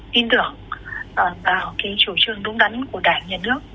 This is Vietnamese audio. tin tưởng vào chủ trương đúng đắn của đảng nhà nước